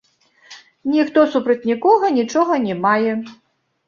Ніхто супраць нікога нічога не мае.